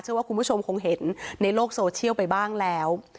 ว่าคุณผู้ชมคงเห็นในโลกโซเชียลไปบ้างแล้ว